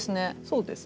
そうです。